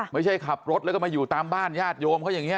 ไม่ใช่ขับรถแล้วก็มาอยู่ตามบ้านญาติโยมเขาอย่างนี้